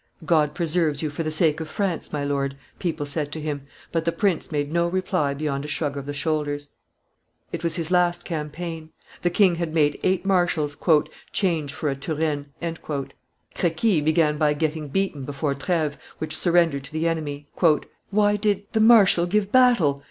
"God preserves you for the sake of France, my lord," people said to him; but the prince made no reply beyond a shrug of the shoulders. [Illustration: TURENNE. 444] It was his last campaign. The king had made eight marshals, "change for a Turenne." Crequi began by getting beaten before Treves, which surrendered to the enemy. "Why did the marshal give battle?"